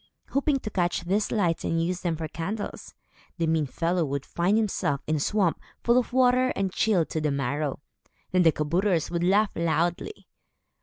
Hoping to catch these lights and use them for candles, the mean fellow would find himself in a swamp, full of water and chilled to the marrow. Then the kabouters would laugh loudly.